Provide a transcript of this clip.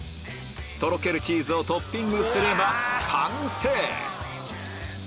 とろけるチーズをトッピングすれば完成！